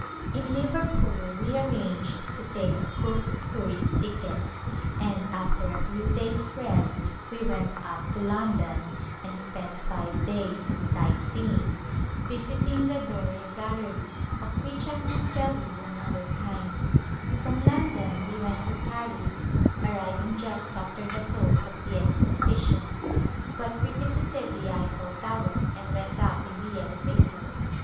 In Liverpool we arranged to take Cook's Tourist Tickets, and after a few days' rest we went up to London and spent five days in sightseeing, visiting the Dore Gallery, of which I must tell you another timec From London we went to Paris, arriving just after the close of the Exposition, but we visited the EifFel Tower and went up in the elevator.